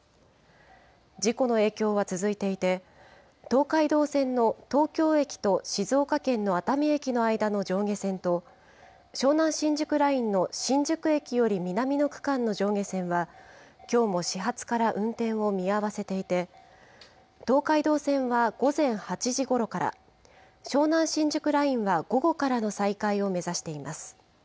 事故の影響は続いていて、東海道線の東京駅と静岡県の熱海駅の間の上下線と、湘南新宿ラインの新宿駅より南の区間の上下線は、きょうも始発から運転を見合わせていて、東海道線は午前８時ごろから、湘南新宿ラインは午後からの再開を目指しています。